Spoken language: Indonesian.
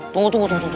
tunggu tunggu tunggu